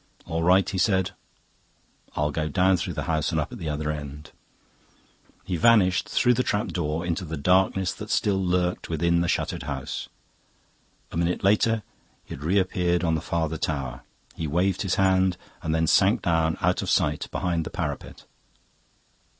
"All right," he said, "I'll go down through the house and up at the other end." He vanished through the trap door into the darkness that still lurked within the shuttered house. A minute later he had reappeared on the farther tower; he waved his hand, and then sank down, out of sight, behind the parapet.